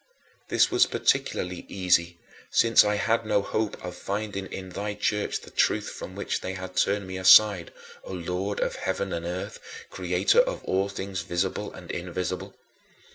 This was particularly easy since I had no hope of finding in thy Church the truth from which they had turned me aside, O Lord of heaven and earth, Creator of all things visible and invisible.